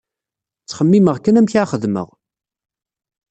Ttxemmimeɣ kan amek ad xedmeɣ.